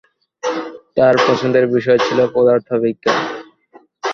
তার পছন্দের বিষয় ছিল পদার্থবিজ্ঞান।